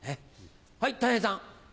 はいたい平さん。